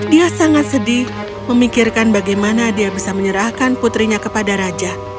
dia sangat sedih memikirkan bagaimana dia bisa menyerahkan putrinya kepada raja